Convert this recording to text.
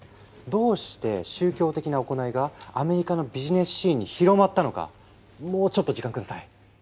どうして宗教的な行いがアメリカのビジネスシーンに広まったのかもうちょっと時間下さい。